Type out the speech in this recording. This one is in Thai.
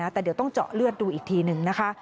แต่เดี๋ยวต้องเจาะเลือดดูอีกทีหนึ่งนะคะ